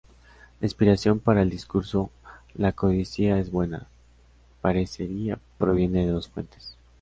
La inspiración para el discurso "la codicia es buena" parecería proviene de dos fuentes.